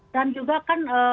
dan juga kan